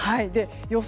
予想